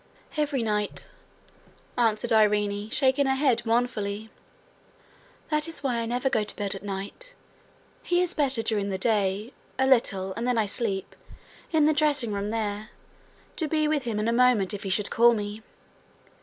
'Every night,' answered Irene, shaking her head mournfully. 'That is why I never go to bed at night. He is better during the day a little, and then I sleep in the dressing room there, to be with him in a moment if he should call me.